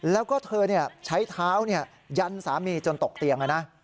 แล้วก็เธอเนี่ยใช้เท้าเนี่ยยันสามีจนตกเตียงเลยนะ